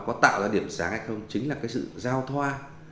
văn hóa nó có tạo ra điểm sáng hay không chính là cái sự giao thoa